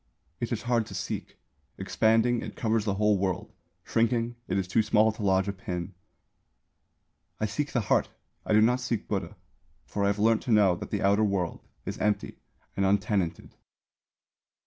It is hard to seek. Expanding, it covers the whole world; shrinking, it is too small to lodge a pin. "I seek the heart; I do not seek Buddha. For I have learnt to know that the outer world is empty and untenanted."